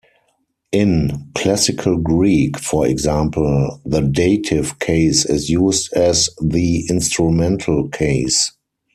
In Classical Greek, for example, the dative case is used as the instrumental case.